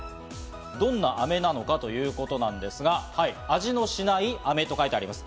どんな飴なのかということなんですが「味のしない？飴」と書いてあります。